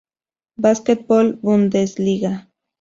Basketball Bundesliga.